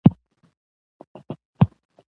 د مخدره توکو پر وړاندې مبارزه د نسلونو ژغورنه ده.